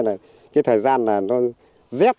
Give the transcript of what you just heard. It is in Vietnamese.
nên là cái thời tiết nó hơi dị thường một chút